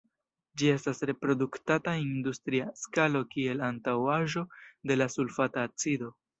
Ĝi estas produktata en industria skalo kiel antaŭaĵo de la sulfata acido.